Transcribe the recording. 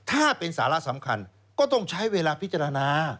ถ้าเป็นสาระสำคัญก็ต้องใช้เวลาพิจารณา